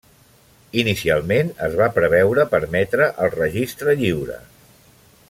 Inicialment es va preveure permetre el registre lliure.